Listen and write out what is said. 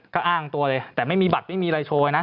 ก็อ้างตัวเลยแต่ไม่มีบัตรไม่มีอะไรโชว์นะ